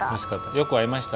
よくあいました？